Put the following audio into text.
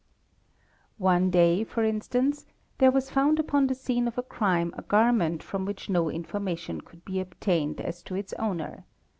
|. i One day, for instance, there was found upon the scene of a crime a garment from which no information could be obtained as to its owner.